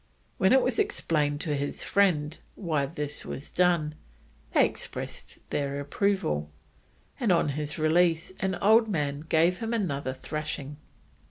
When it was explained to his friends why this was done, they expressed their approval, and on his release an old man gave him another thrashing.